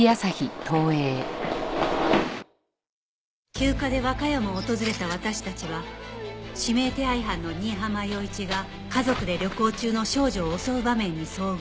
休暇で和歌山を訪れた私たちは指名手配犯の新浜陽一が家族で旅行中の少女を襲う場面に遭遇